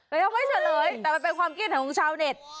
เรายังไม่เฉลยแต่มันเป็นความเกลียดของชาวเน็ต